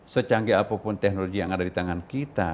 secanggih apapun teknologi yang ada di tangan kita